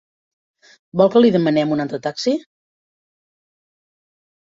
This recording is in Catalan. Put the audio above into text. Vol que li demanem un altre taxi?